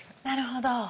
なるほど。